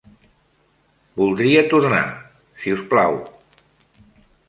Voldria tornar, si us plau.